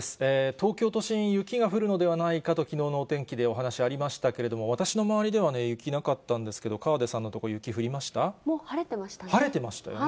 東京都心、雪が降るのではないかときのうのお天気でお話ありましたけれども、私の周りでは雪、なかったんですけど、もう晴れてましたね。